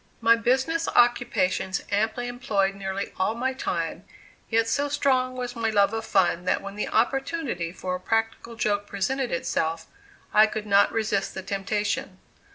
My business occupations amply employed nearly all my time, yet so strong was my love of fun that when the opportunity for a practical joke presented itself, I could not resist the temptation.